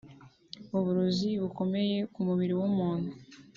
…uburozi bukomeye ku mubiri w’umuntu